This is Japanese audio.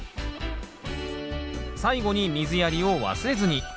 最後に水やりを忘れずに。